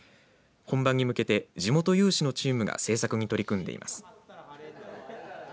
本番に向けて地元有志のチームが制作に取り組んでいます。